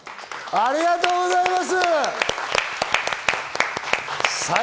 ありがとうございます。